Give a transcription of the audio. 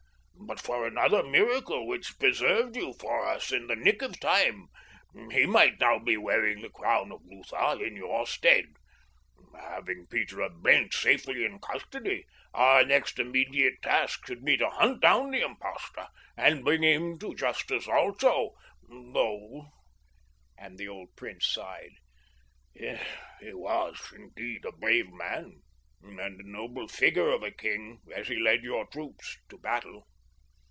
"But for another miracle which preserved you for us in the nick of time he might now be wearing the crown of Lutha in your stead. Having Peter of Blentz safely in custody our next immediate task should be to hunt down the impostor and bring him to justice also; though"—and the old prince sighed—"he was indeed a brave man, and a noble figure of a king as he led your troops to battle."